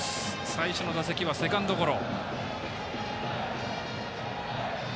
最初の打席はセカンドゴロ。